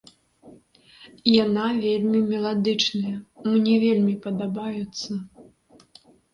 Яна вельмі меладычныя, мне вельмі падабаюцца.